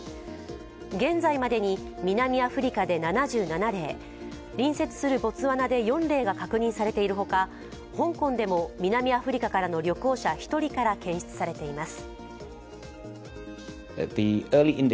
現在までに南アフリカで７７例隣接するボツワナで４例が確認されているほか香港でも南アフリカからの旅行者１人から検出されています。